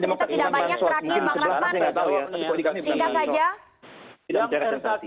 terakhir bang rasman singkat saja